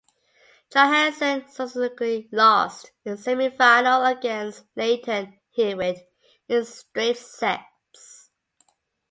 Johansson subsequently lost his semifinal against Lleyton Hewitt in straight sets.